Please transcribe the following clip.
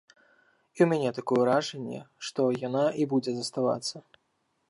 І ў мяне такое ўражанне, што яна і будзе заставацца.